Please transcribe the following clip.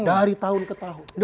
dari tahun ke tahun